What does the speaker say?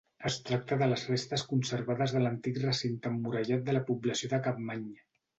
Es tracta de les restes conservades de l'antic recinte emmurallat de la població de Capmany.